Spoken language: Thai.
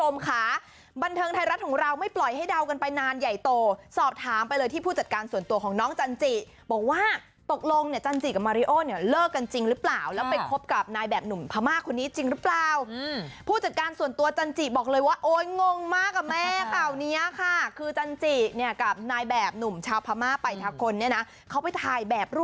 มันใหญ่โตสอบถามไปเลยที่ผู้จัดการส่วนตัวของน้องจันจีบอกว่าตกลงเนี่ยจันจีกับมาริโอเนี่ยเลิกกันจริงหรือเปล่าแล้วไปคบกับนายแบบหนุ่มพม่าคนนี้จริงหรือเปล่าผู้จัดการส่วนตัวจันจีบบอกเลยว่าโอ้ยงงมากอะแม่เก่านี้ค่ะคือจันจีเนี่ยกับนายแบบหนุ่มชาวพม่าไปทะคนนี้นะเขาไปถ่ายแบบร่